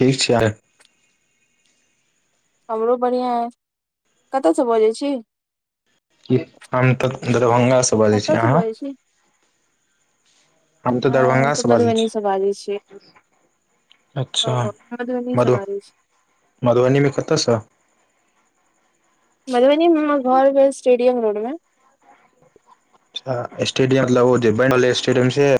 ठीक छै। हमरो बढ़िआँ, कतयसँ बजैत छी? हम तऽ दरभंगास। कतसँ सऽ बजैय छी? हम तऽ आ हम तऽ दरभंगासँ बाजै छी मधुबनी से बाजैय छी। ओ अच्छा मधुबनी से बाजैय छी। मधुबनी में कतऽ सऽ? मधुबनी मे हमर घर भेल स्टेडियम रोडमें। अच्छा! स्टेडियम लग ओ जे बैनल ऐ स्टेडियम से?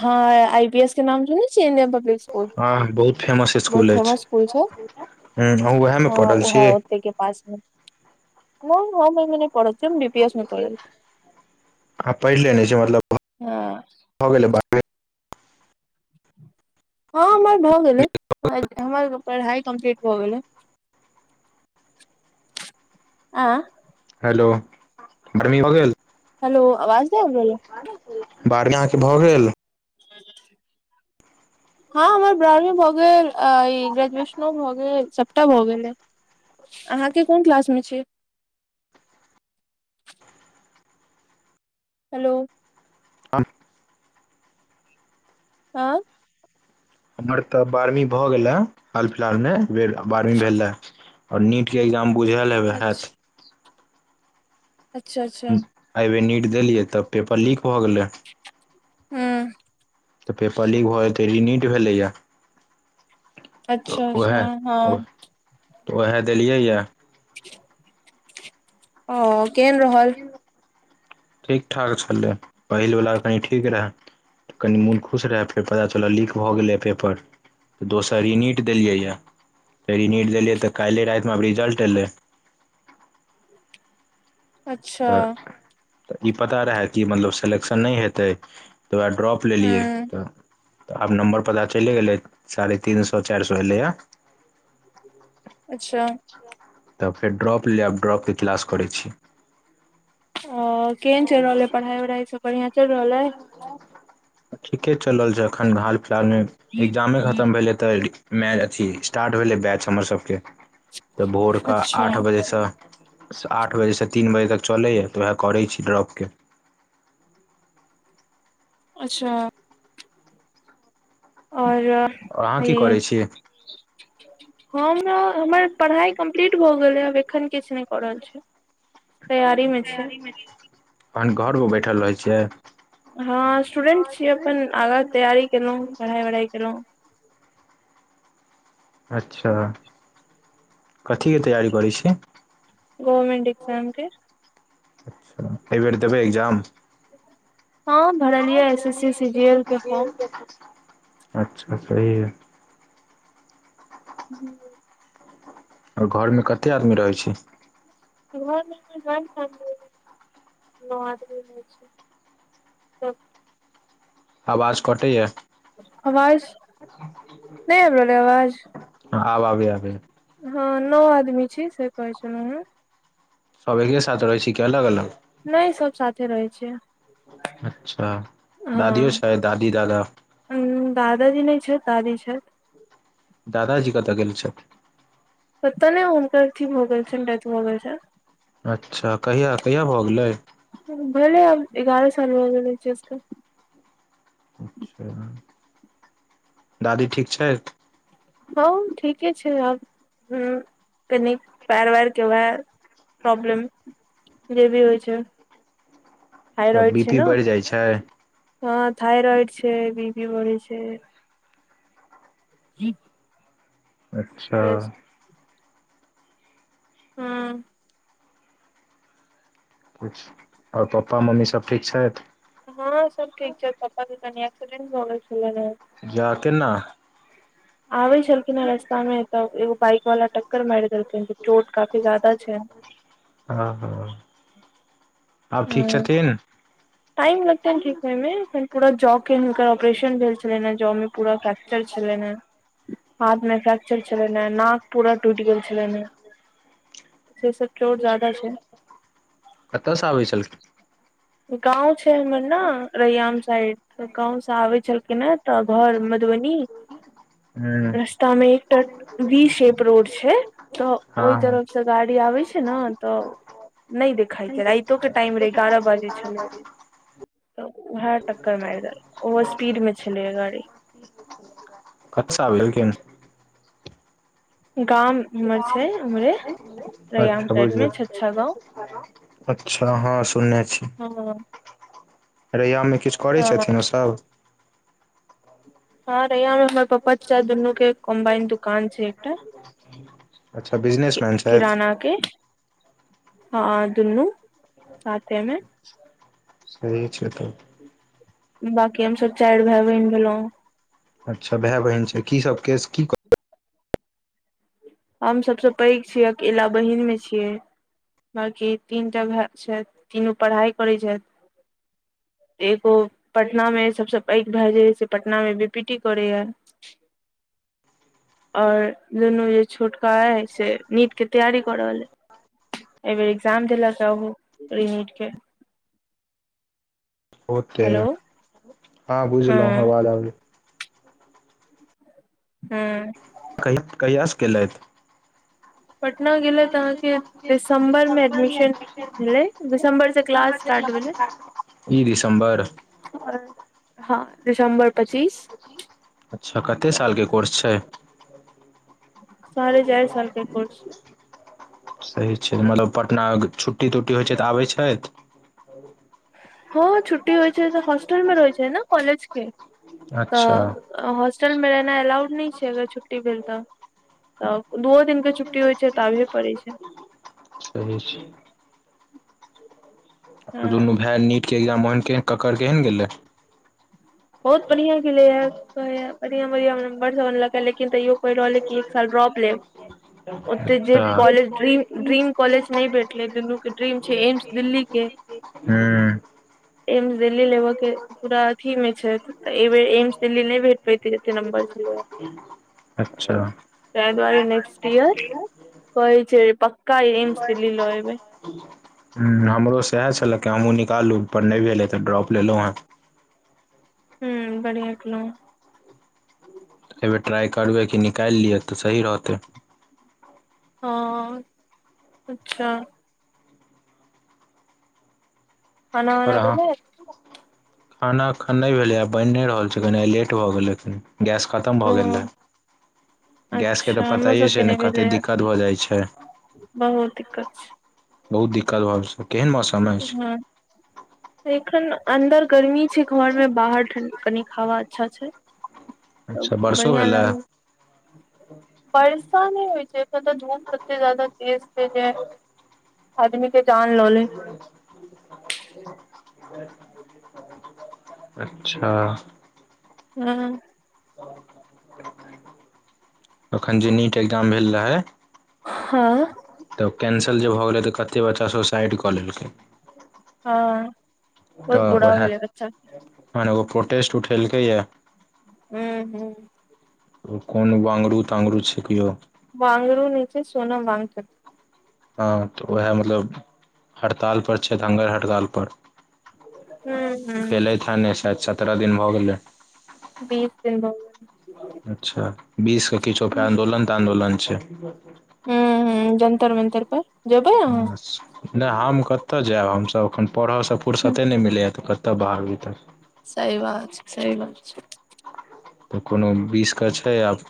हाॅं आई पी एस के नाम सुनैय छीयैय, इंडियन पब्लिक। ओ, हँ बहुत फेमस बहुत स्कुल अछि फेमस स्कूल छैय। हूँ अहूँ उएहमे हँ पढ़ल छी ओहा, ओत्ते के पास में। नैय हँमनै ओइ मे पढ़ल छियै, हम बीपी एस मे पढ़ै छियै। पैढ लेने छियै, मतलब छी हँ भऽ गेल बात। हँ हमर भऽ गेलैय। [unintelligible] पढ़ाई कम्प्लीट भ गेलैय [unintelligible] आ। हेलो! गर्मी भऽ गेल? हेलो! आवाज नैय आब रहल है? बारहमी अहाॅं के भऽ गेल? [unintelligible] हँ हमर बारहमा भऽ गेल, ई ग्रेजुएशनो भऽ गेल, सबटा भऽ गेल अइ। अहाँके कोन क्लास में छीय? हेलो। हम हॉंऽ? हम्मर तऽ बारहवीं भए गेला, हाल फिलहाल में भेल बारहवीं भेला। और नीट के एग्जाम बुझल हेबे हैत? अच्छा अच्छा अच्छा। एइ बेेर नीट देलियैं तऽ पेपर लीक भऽ गेलैय। ह्म्म। तऽ पेपर लीक भऽ जेतैय रीनीट भेलैया। अच्छा उएह अच्छा हाॅं। तऽ ओहैऽ देलियैयाऽ। [unintelligible] ओ केहेन रहल? ठीक ठाक छलै, पहिलवला कनि ठीक रहैऽ। कनि मुन खुश रहय, फेर पता चलल लीक भऽ गेलैय पेपर। तऽ दोसर रिनीट देलियैए, तऽ रिनिट देलियै तऽ काल्हिए रातिमे रिजल्ट एलैय। अच्छा तऽ-तऽ ई पता रहय कि मतलब सेलेक्शन नहि हेतैय। तइऽ दुआए ड्रॉप हूँ लेलीयैय। तऽ आब नम्बर पता चैले गेलैय साढ़े तीन सौ चारि सौ एलैया। अच्छा। तब फेर ड्रॉप ले, आब ड्रॉप के क्लास करैं छी। अऽ केहेन चैल रहल अइ पढ़ाई वढ़ाई सब बढ़िया चैल रहल अइ? ठीके चल रहल छै एखन हाल फिलहाल मे, एकग्जामें खत्म भेलैय। तऽ-मैं-अथी स्टार्ट भेलै बैंच हमर सबके। तऽ भोरक अच्छा आठ बजे सऽ आठ बजेसँ तीन बजे तक चलैयैऽ, तऽ ओहैऽ करै छी ड्रॉप के। अच्छा। औरऽ? आ अहाँ की करै छीय? हम न हमर पढ़ाइ कम्प्लीट भऽ ग- एलैय आब एखन किछ नहि कर रहल छी। तैयारी मे गारी में छी, तहन घर में बैठल रहै छियै? हँ स्टूडेंट छीयै, अपन आगाँ तैयारी केलौं, पढ़ाइ वढ़ाई केलौं। अच्छा, कथीके तैयारी करै छीय? गोवमेन्ट एग्जामके। अच्छा, तऽ अइ बेर देबै एग्जाम? हँ, भरलियैयाऽ S S C C G L के फॉर्म। अच्छा सही अइ। हुम्म। और घर में कते आदमी रहै छी? घर में हमर ज्वाइंत फैमली अइ, नॉ आदमी रहै छी। आवाज कटैयाऽ। अवाज नैय आयब रहल अइ अवाज? हँ आब आबया आबया। हँ नौ आदमी छी, से कहै छेलौ है। सब [unintelligible] साथ रहै छि, कि अलग- अलग? नैय सब साथे रहै छियै। अच्छा दादियो छै, दादी- दादा? उम्म दादाजी नै छैथ, दादी छैथि। दादाजी कतऽ गेल छथी? कतउ नै हुनकर अथी भऽ गेल छैन [unintelligible] भऽ गेल छैन। अच्छा कहिया- कहिया भऽ गेलै? भेलै आब एगारह साल भऽ गेलै [unintelligible] के। अच्छा दादी ठीक छैथि? हँ ठीके छै आब, हुम्म कनि पैर- वैर के वहा प्रॉब्लम जे भी होइ छै। थाइराॅइड बी छै पी न, बढ़ि जाइ छै हँ थाइराॅइड छै, बी पी बढ़ै छै जी अच्छा। हुम्म [inaudible] और पप्पा-मम्मी सब ठीक छैथि? हँ सब ठीक छै पप्पा के कनि एक्सीडेंट भऽ गेल छेलैन है। जा केन्ना? आबै छेलखिन है रस्ता मे, तऽ एगो बाइक वाला टक्कर मारि देलकैन, त चोट काफी जादा छैन। ह- ह आब ठीक ह छथिन? टाइम लगतैन ठीक होय मे, एखन पूरा जौ के हुनकर ऑपरेशन भेल छेलनि है, जौ में पूरा फ्र [unintelligible] छेलैन है [unintelligible] चल छेलनि हे, नाक पूरा टूटि गेल छेलनि हे, से सब चोट ज्यादा छैन। कतऽसँ आबै छेल गाँव छै, हमर न रैयाम साइड गाँव से आबै छलखिन है तऽ घर मधुबनी हुँ। तऽमे एकटा वी शेप रोड छै, तऽ ओइ हँ तरफ गाड़ी आबै छै न, तऽ नै देख नै देख [inaudible] त वएह टक्कर मार [unintelligible] ओहो [unintelligible] में छेलैया गाड़ी। [unintelligible] गाम हमर गाम छै उम्हरे [inaudible] रैयाम अच्छा बुझ साइड मे छछा गाँव [unintelligible] अच्छा हँ सुनने छी। हँ रैयाम मे किछ करै हँ छथिन, ओ सब? हँ रैयाम में हमर पप्पा -चचा दुनू के [unintelligible] दुकान छै। अच्छा बिजनेस मैन छथि? [unintelligible] हँ दुन्नू साथेमे। सही छै तब। बाकी हमसब चाइर भैए- बहिन भेलहुँ। अच्छा भाए- बहिन छै। की सब केस की हम सबसे पैघ छियै अकेला बहिन में छियै। बकी तीनटा भै छथि तीनू पढ़ाइ करै छथि। एगो पटना मे सबसे पैघ भए जे है से पटना मे बी पी टी करैया। [inaudible] और [unintelligible] छोटका है से नीट के तैयारी कऽ रहल हे। एहि बेर एक्जाम देल जा हूँ नीट के। होते हेलो हँ बुझलहु हँ अवाज आ हँ। कह कहियासँ केलथि। पटना गेलै तऽ अहाँके दिसम्बर मे एडमिशन भेलै दिसम्बर से क्लास स्टार्ट [inaudible] ई दिसम्बर आओ हँ दिसम्बर पच्चीस। अच्छा कते तऽ सालके कोर्स छैय। साढे चार सालके कोसै छैय। सही छैय मतलब पटना छुट्टी तुट्टी होइ छैय तऽ आबै छैत। [inaudible] हँ छुट्टी होइ छैय तऽ होस्टल मे रहै छैय ने कॉलेज के अच्छा तऽ होस्टल मे रहैना एलाउड न छैय अगर छुट्टी भेल तऽ। तऽ दूओ दिन के छुट्टी होइ छैय तऽ आबे पड़ैत छैय। सही छैय। हँ दुनू भाय नीट के एग्जाम ओहन के केकर केहन गेलै। बहुत बढ़िया गेले ये कहे बढ़िया बढ़ियां नम्बर सब आनलक है लेकिन तयो पैढ रहल ये कि एक साल ड्रप लेब ओते जे अच्छा कॉलेज ड्रीम ड्रीम कॉलेज हूँ नै भेठले दुनू के ड्रीम छैय एम्स दिल्ली के। एम्स दिल्ली लेबऽ के पूरा अधि मे छैय। छैय एहि बेर एम्स दिल्ली नहि भेट पैतते जते नम्बर छलै अच्छा ये। हूँ तइ दुआरे नेक्स्ट इयर कहै छैय पक्का एम्स दिल्ली लऽ एबै। हूँ हमरो सएह छलक कि हमहूँ निकालू पर नहि भेले तऽ ड्रॉप लेलहुँं हेँ। हूँ बढ़िआ केलों। एहिबर ट्राइ करबै कि निकालि लिअ तऽ सही रहतै। हँ अच्छा। खाना आओर उना अहाँ भेले। खाना इखेन नै भेलै बैने रहल छैय कनी लेट भऽ गेलैन। गैस खतम ओ भए गेल रहै। गैसके तऽ अच्छा हमरो पताए सबके छैय ने नहि कतेक भेलै दिक्कत भऽ जाइत छैय। बहुत दिक्कत छैय। बहुत दिक्कत भऽ छैय केहन मौसम अछि। एखन अन्दर गर्मी छैय घर मे बाहर ठंड कनिक हवा अच्छा छैय तब अच्छा बरसो बढ़िआँ भेलए लागलै। बरसा नै होइ छैय त तऽ धूप तते जादा तेज छैय जे। आदमी के जान लऽ ले। [inaudible] अच्छा। हँ। अखन जे नीट ए्जाम भेल रहै। हँ तऽ' कैंसल जे भऽ' गेलै तऽ'कते बच्चा सब साइड किन बहुत बुरा तऽ'उएह भेलै बच्चा के मने ओ प्रोटेस्ट उठेलकै य हू हू कोन बाङ्गरू ताङ्गरू छैिक यौ वंगरू न छै सोन वाँंग हँ तऽ' उएह मतलब हड़तालपर छै धङ्गर हड़तालपर। हू हू खेलैत ह ने शायद सत्ररह दिन भऽ' गेलै। बीस दिन गेल अच्छा बीस के किछो फे आदोलन तऽ'दोलन छै। हू ह जन्तर मन्तर पर। जेबै अहाँ आ [inaudible] नहि हम कतय जायब हमसभ एखन पढ़यसँ फुरसते नहि मिलैए तऽ' कतय बाहर भीतर। सही बात छै सी बात छै। तऽ' कोनो विषके छै आब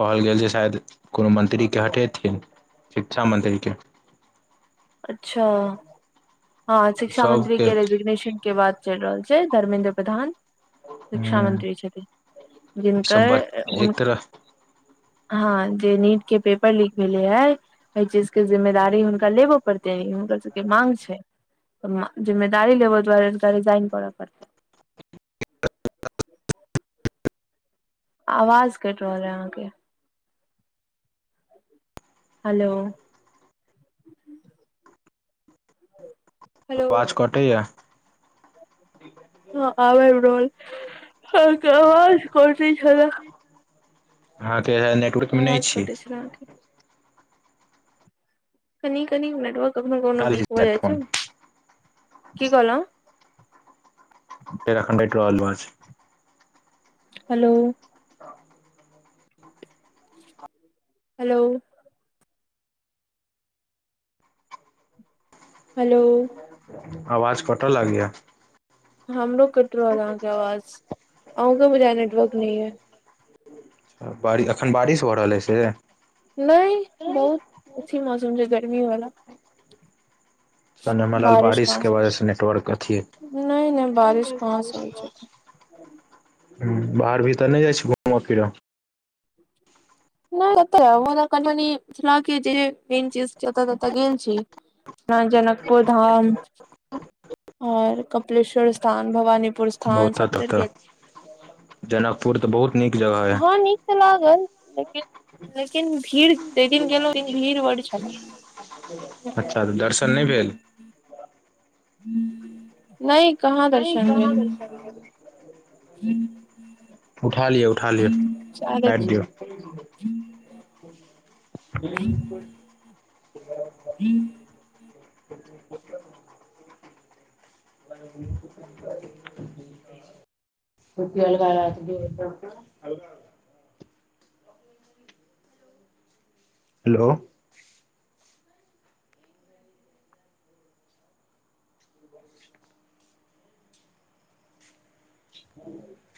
कहल गेल जे शायद कोनो मन्त्रीकेँ हटेथिन। शिक्षा मंत्रीके। अच्छा हँ शिक्षा मंत्री सबके ई के रेजिग्नेश के बात चलि रहल छै धर्मेेन्द्र प्रधान शिक्षा मंत्री छथिन। सब बात जिनकर उ [unintelligible] हँ जे नीट के पेपर लीक भेले है ओहि चीज के जिम्मेदारी हुनका लेबो। पड़ते ह हुनकर सब के मांग छै जिम्मेदी लेबऽ'दारे रिजाइन करऽ 'पड़ते। आवाज कटि रहल है अहाँके। हेलो हेलो आवाज कटैए। हँ आबै रोलाज कोट छल अहाँ तऽ'इह नेटवर्कमे नहि आवाज छी। [unintelligible] कनि कनि नेटर्क कखनो कखनो हटा दै छी वीक हो शायद जाइ छै फोन ने की कहल। एरखणडा एको आलोा छै। हेलो। हेलो। हेलो। आवाज कटऽ' लागया। हमरोग कट रहो अहाँके आवाज आउगा मुझा नेटवर्क नई है। अखन बारिश भ रहल अइ से। नहि बहुत अच्ी मौसम छै गर्मी वाला। हमरा बारिश के वजह से नेटवर्क अथ नहि नहि बारिश कहाँ से होइ छै बाहर भीतर नहि जाइ छी घूमऽ'फिरऽ' नहि एतऽ' हम कनिनी क जे मेन चीज छैत त गेल छी। जनकपुर धाम आओर कपिलेश्वर स्थान भवानीपुर स्थान ओतऽ तऽ स्त। ओतऽ जनकपुर तऽ'बहुत नीक जगह हँ। हँ नीक तऽ लागल, लेकिन लेकिन भीड़ एक दिन गेलहुँ, ओहि दिन भीड़ बड़ छलै। अच्छा! तऽ दर्शन नहि भेल? नै कहाँ दर्शन भेल। उठा लिअ, उठा लिअ, सैह काइट देखियौ दियौ। [unintelligible] [inaudible] [unintelligible] [unintelligible] रुपीया लगा-लगा क गेल [unintelligible] हेलो! [inaudible]